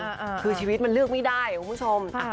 อ่าอ่าคือชีวิตมันเลือกไม่ได้คุณผู้ชมอ่า